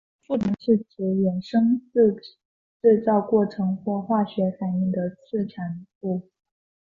副产品是指衍生自制造过程或化学反应的次产物。